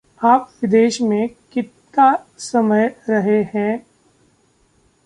आप विदेश में किता समय रहे हैं?